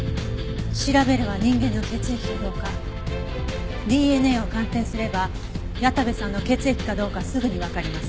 調べれば人間の血液かどうかＤＮＡを鑑定すれば矢田部さんの血液かどうかすぐにわかります。